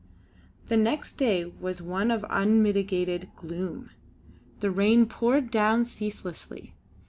The next day was one of unmitigated gloom. The rain poured down ceaselessly.